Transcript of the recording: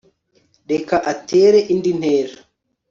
Reka atere indi ntera